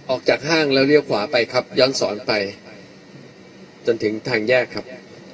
ออกจากห้างแล้วเลี้ยวขวาไปครับย้อนสอนไปจนถึงทางแยกครับ